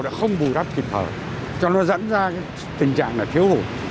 đã không bù đắp kịp thời cho nó dẫn ra tình trạng là thiếu hụt